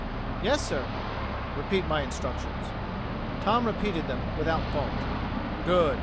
"Yes, sir." "Repeat my instructions." Tom repeated them without fault. "Good!